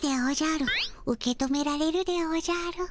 受け止められるでおじゃる。